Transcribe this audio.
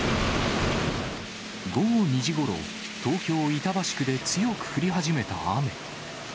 午後２時ごろ、東京・板橋区で強く降り始めた雨。